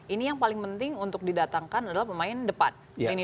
ini yang paling penting untuk didatangkan adalah pemain depan